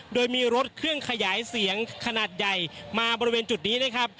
โดยมีรถเครื่องขยายเสียงขนาดใหญ่มาบริเวณจุดนี้นะครับ